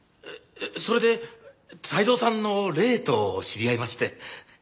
それで泰造さんの霊と知り合いまして。